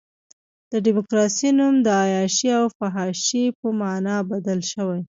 د ډیموکراسۍ نوم د عیاشۍ او فحاشۍ په معنی بدل شوی.